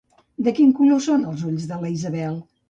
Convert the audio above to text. De quin color són els ulls de la Isabel?